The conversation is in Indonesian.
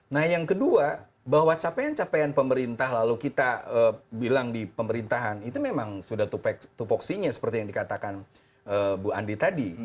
nah yang kedua bahwa capaian capaian pemerintah lalu kita bilang di pemerintahan itu memang sudah topoksinya seperti yang dikatakan bu andi tadi